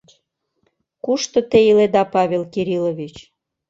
— Кушто те иледа, Павел Кириллович?